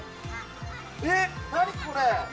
えっ、何これ？